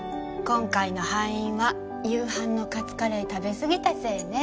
今回の敗因は夕飯のカツカレー食べすぎたせいね